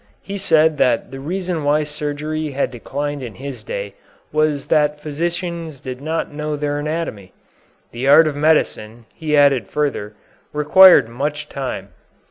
He said that the reason why surgery had declined in his day was that physicians did not know their anatomy. The art of medicine, he added further, required much time.